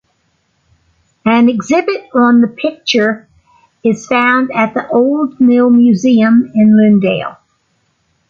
An exhibit on the picture is found at the Old Mill Museum in Lindale.